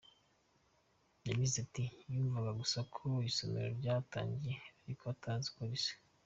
Yagize ati “Yumvaga gusa ko isomero ryatangiye ariko atazi uko risa.